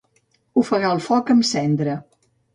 Ofegar el foc amb cendra.